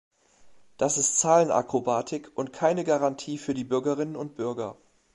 Das ist Zahlenakrobatik und keine Garantie für die Bürgerinnen und Bürger.